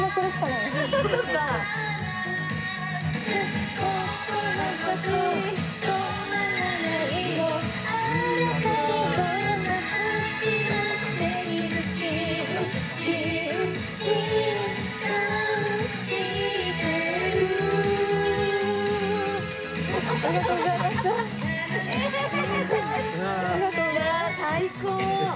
いやあ最高！